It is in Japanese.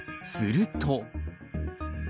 すると。